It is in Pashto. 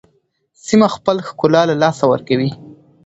سیمه خپل ښکلا له لاسه ورکوي.